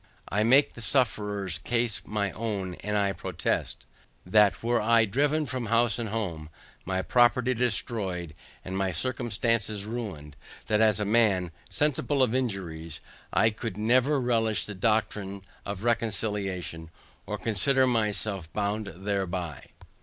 I make the sufferers case my own, and I protest, that were I driven from house and home, my property destroyed, and my circumstances ruined, that as a man, sensible of injuries, I could never relish the doctrine of reconciliation, or consider myself bound thereby.